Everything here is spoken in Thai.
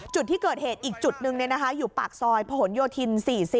จุดที่เกิดเหตุอีกจุดหนึ่งอยู่ปากซอยผนโยธิน๔๐